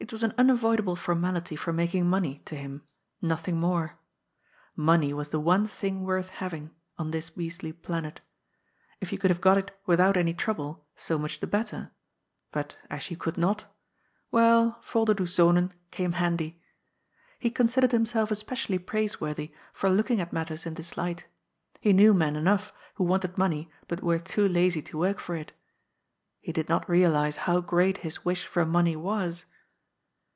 It was an unavoidable formality for making money to him, nothing more. Money was the one thing worth having, on this beastly planet. It you could have got it without any trouble, so much the better, but, as you could not, well, " Volderdoes Zonen " came handy. He considered himself especially praiseworthy for looking at matters in this light. He knew men enough who wanted money but were too lazy to work for it. He did not realize how great his wish for money was.